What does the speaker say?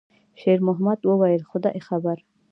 شېرمحمد وویل: «خدای خبر.»